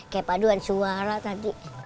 kayak paduan suara tadi